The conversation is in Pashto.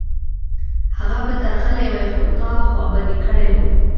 هغه به درغلی وای، خو تا خوابدی کړی و